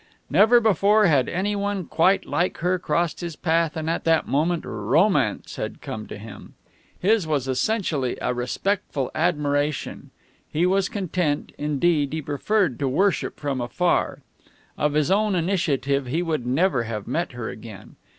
Never before had anyone quite like her crossed his path, and at that moment romance had come to him. His was essentially a respectful admiration. He was content indeed, he preferred to worship from afar. Of his own initiative he would never have met her again.